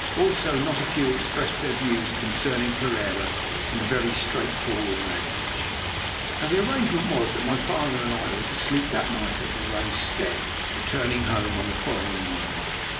Also not a few expressed their views concerning Pereira in very straightforward language. Now, the arrangement was that my father and I were to sleep that night at Marais's stead, returning home on the following morning.